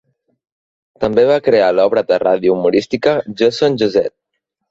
També va crear l'obra de ràdio humorística, "Joson Josette".